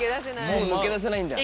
もう抜け出せないんだ。